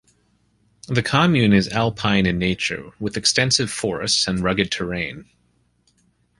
The commune is alpine in nature with extensive forests and rugged terrain.